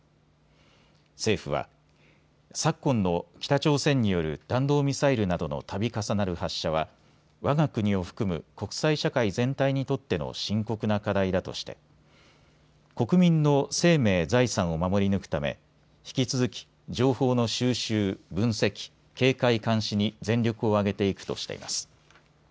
政府は昨今昨今の北朝鮮による弾道ミサイルなどのたび重なる発射はわが国を含む国際社会全体にとっての深刻な課題だとして国民の生命・財産を守り抜くため引き続き情報の収集・分析警戒・監視に全力を挙げていくとしています。